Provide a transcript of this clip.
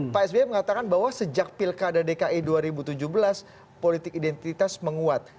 pak sby mengatakan bahwa sejak pilkada dki dua ribu tujuh belas politik identitas menguat